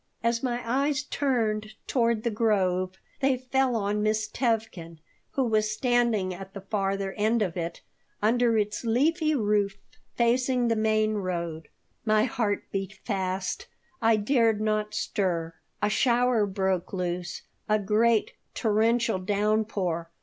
As my eyes turned toward the grove they fell on Miss Tevkin, who was standing at the farther end of it, under its leafy roof, facing the main road. My heart beat fast. I dared not stir A shower broke loose, a great, torrential downpour.